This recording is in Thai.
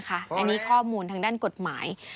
อันนี้ข้อมูลทางด้านกฎหมาย